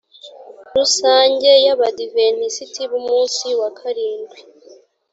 rusange y abadiventisiti b umunsi wa karindwi